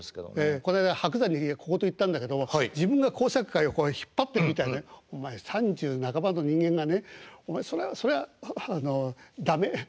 この間伯山に小言言ったんだけども自分が講釈界を引っ張ってくみたいな「お前三十半ばの人間がねお前それは駄目。